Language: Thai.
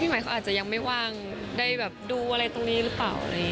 พี่หมายเขาอาจจะยังไม่ว่างได้ดูอะไรตรงนี้หรือเปล่า